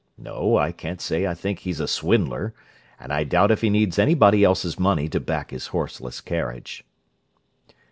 No, I can't say I think he's a swindler, and I doubt if he needs anybody else's money to back his horseless carriage."